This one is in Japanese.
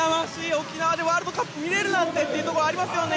沖縄でワールドカップが見られるなんてっていうところがありますよね。